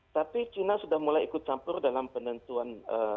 tapi china sudah mulai ikut campur dalam penentuan